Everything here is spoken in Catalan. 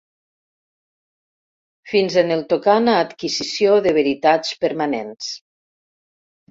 Fins en el tocant a adquisició de veritats permanents.